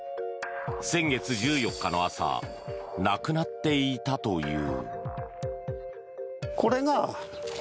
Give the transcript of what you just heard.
先月１４日の朝なくなっていたという。